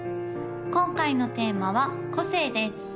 今回のテーマは「個性」です